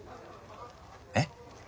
えっ？